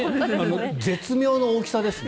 絶妙の大きさですね。